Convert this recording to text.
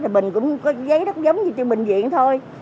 mình cũng có giấy đất giống như trong bệnh viện thôi